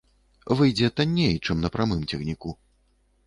Выйдзе танней, чым на прамым цягніку.